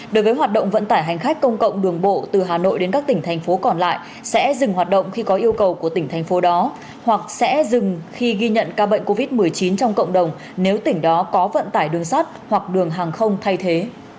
đối với hoạt động vận tải hành khách công cộng đường bộ từ hà nội đến các tỉnh thành phố còn lại sẽ dừng hoạt động khi có yêu cầu của tỉnh thành phố đó hoặc sẽ dừng khi ghi nhận ca bệnh covid một mươi chín trong cộng đồng nếu tỉnh đó có vận tải đường sắt hoặc đường hàng không thay thế